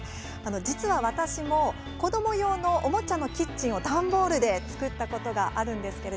実は、私も段ボールで子ども用のおもちゃのキッチンを作ったことがあります。